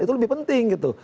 itu lebih penting gitu